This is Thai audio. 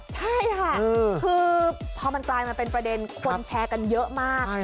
ใช่ค่ะคือพอมันกลายมาเป็นประเด็นคนแชร์กันเยอะมาก